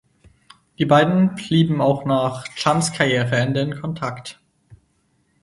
Die beiden blieben auch nach Chans Karriereende in Kontakt.